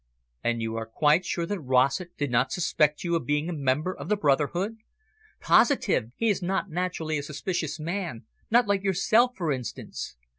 "And you are quite sure that Rossett did not suspect you of being a member of the brotherhood?" "Positive. He is not naturally a suspicious man, not like yourself, for instance.